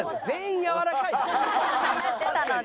やってたので。